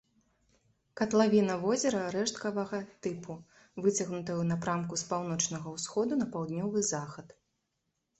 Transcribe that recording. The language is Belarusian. Катлавіна возера рэшткавага тыпу, выцягнутая ў напрамку з паўночнага ўсходу на паўднёвы захад.